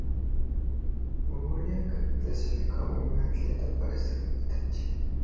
Mongolia clasificó a una atleta para esta competencia.